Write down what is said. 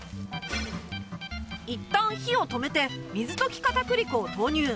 いったん火を止めて水溶き片栗粉を投入